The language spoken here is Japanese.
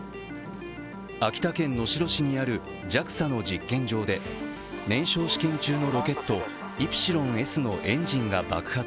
秋田県能代市にあるＪＡＸＡの実験場で燃焼試験中のロケット「イプシロンＳ」のエンジンが爆発。